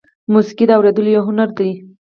موسیقي د اورېدلو یو هنر دی.